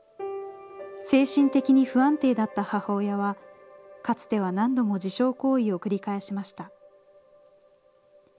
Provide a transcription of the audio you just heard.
精神的に不安定だった母親は、かつては何度も自傷行為を繰り返しました。